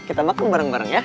kita makan bareng bareng ya